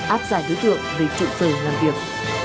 áp giải đối tượng về trụ sở làm việc